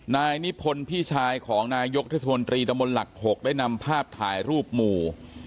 นายนิพนธ์พี่ชายของนายกเทศมนตรีตะมนต์หลัก๖ได้นำภาพถ่ายรูปหมู่